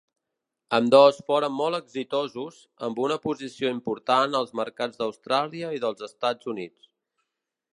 Ambdós foren molt exitosos, amb una posició important als mercats d'Austràlia i dels Estats Units.